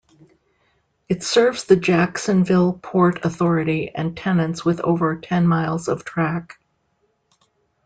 It serves the Jacksonville Port Authority and tenants with over ten miles of track.